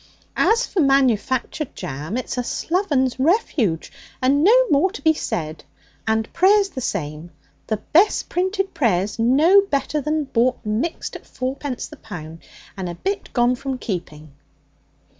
'As for manufactured jam, it's a sloven's refuge, and no more to be said. And prayer's the same. The best printed prayer's no better than bought mixed at four pence the pound, and a bit gone from keeping.'